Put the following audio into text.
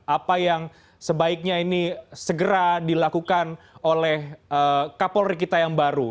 apa yang sebaiknya ini segera dilakukan oleh kapolri kita yang baru